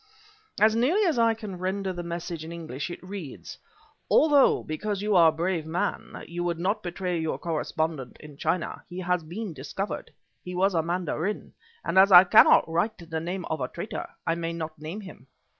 "As nearly as I can render the message in English, it reads: 'Although, because you are a brave man, you would not betray your correspondent in China, he has been discovered. He was a mandarin, and as I cannot write the name of a traitor, I may not name him.